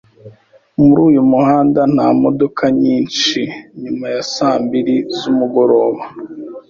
Muri uyu muhanda nta modoka nyinshi nyuma ya saa mbiri zmugoroba